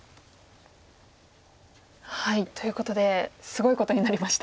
ということですごいことになりました。